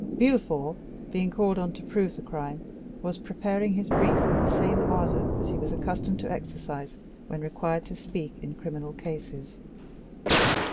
Villefort, being called on to prove the crime, was preparing his brief with the same ardor that he was accustomed to exercise when required to speak in criminal cases.